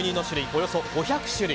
およそ５００種類。